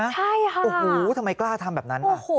ใช่ค่ะโอ้โหทำไมกล้าทำแบบนั้นป่ะ